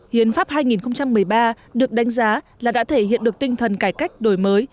hiến pháp hai nghìn một mươi ba được đánh giá là đã thể hiện được tinh thần cải cách đổi mới